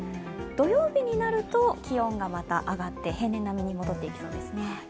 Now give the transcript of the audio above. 土曜日になると、気温がまた上がって平年並みに戻っていきそうですね。